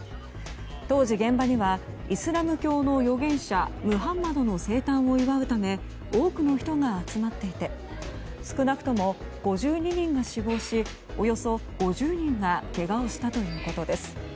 当時、現場にはイスラム教の預言者ムハンマドの生誕を祝うため多くの人が集まっていて少なくとも５２人が死亡しおよそ５０人がけがをしたということです。